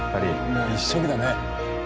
もう一色だね。